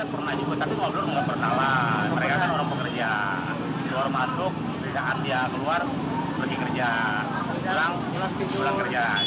sebelum kerja sebelum kerja hidup